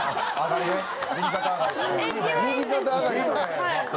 右肩上がり？